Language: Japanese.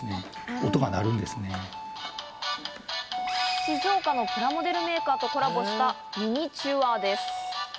静岡のプラモデルメーカーとコラボしたミニチュアです。